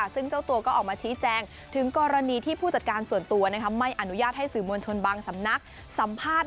ซึ่งเจ้าตัวก็ออกมาชี้แจงถึงกรณีที่ผู้จัดการส่วนตัวไม่อนุญาตให้สื่อมวลชนบางสำนักสัมภาษณ์